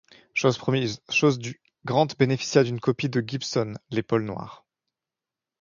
Chose promise, chose due, Grant bénéficia d'une copie deGibson Les Paul noire.